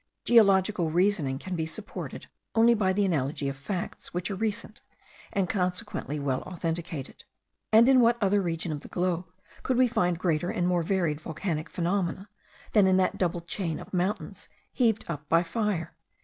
Geological reasoning can be supported only by the analogy of facts which are recent, and consequently well authenticated: and in what other region of the globe could we find greater and more varied volcanic phenomena than in that double chain of mountains heaved up by fire?